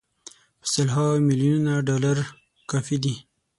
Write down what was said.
په سل هاوو میلیونه ډالر کافي دي.